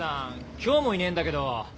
今日もいねえんだけど。